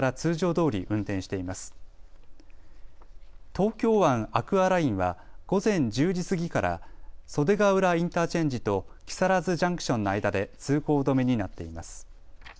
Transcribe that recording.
東京湾アクアラインは午前１０時過ぎから袖ヶ浦インターチェンジと木更津ジャンクションの間で通行止めになっています。